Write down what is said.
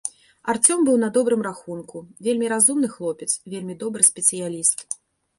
Арцём быў на добрым рахунку, вельмі разумны хлопец, вельмі добры спецыяліст.